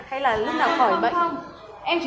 hay là lúc nào khỏi bệnh